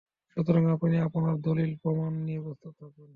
সুতরাং আপনি আপনার দলীল প্রমাণ নিয়ে প্রস্তুত থাকুন।